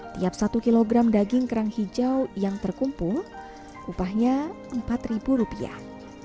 tiap satu kilogram daging kerang hijau yang terkumpul upahnya empat ribu rupiah